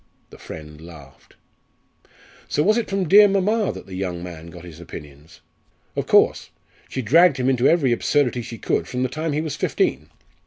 The friend laughed. "So it was from the dear mamma that the young man got his opinions?" "Of course. She dragged him into every absurdity she could from the time he was fifteen.